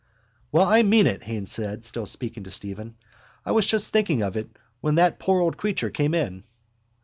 —Well, I mean it, Haines said, still speaking to Stephen. I was just thinking of it when that poor old creature came in.